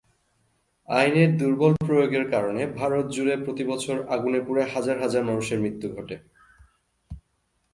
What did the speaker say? আইনের দুর্বল প্রয়োগের কারণে ভারত জুড়ে প্রতি বছর আগুনে পুড়ে হাজার হাজার মানুষের মৃত্যু ঘটে।